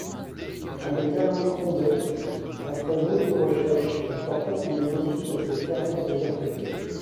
Avec Alain Crombecque, après moult recherches, il porta son dévolu sur cette carrière désaffectée.